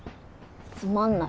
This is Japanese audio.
つまんない。